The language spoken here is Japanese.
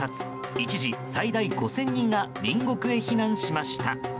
一時、最大５０００人が隣国へ避難しました。